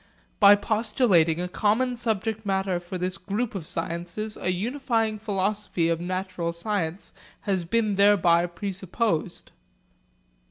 By postulating a common subject matter for this group of sciences a unifying philosophy of natural science has been thereby presupposed.